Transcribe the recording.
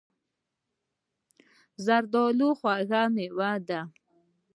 زردالو خوږه مېوه ده.